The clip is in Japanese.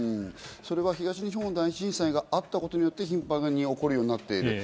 それは東日本大震災があったことによって頻繁に起こるようになっている。